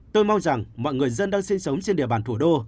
tôi mong rằng mọi người dân đang sinh sống trên địa bàn thủ đô